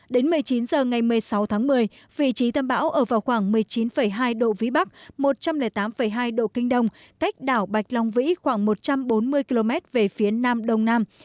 đến một mươi chín h ngày một mươi sáu tháng một mươi vị trí tâm bão ở vào khoảng một mươi chín hai độ vĩ bắc một trăm linh tám hai độ kinh đông cách đảo bạch long vĩ khoảng một trăm bốn mươi km về phía nam đông nam